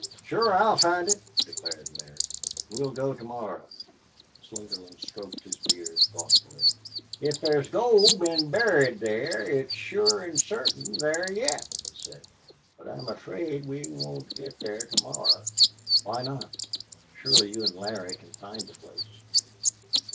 "Shore I'll find it," declared Larry. "We'll go to morrow...." Slingerland stroked his beard thoughtfully. "If thar's gold been buried thar it's sure an' certain thar yet," he said. "But I'm afraid we won't git thar tomorrow." "Why not? Surely you or Larry can find the place?"